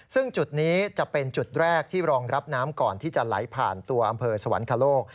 ซึ่งจุดนี้จะเป็นจุดแรกที่รองรับน้ำก่อนที่จะไหลผ่านตัวอำเภอสวรรคโลก